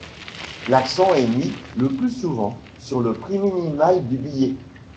L'accent est mis, le plus souvent, sur le prix minimal du billet.